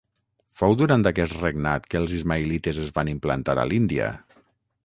Fou durant aquest regnat que els ismaïlites es van implantar a l'Índia.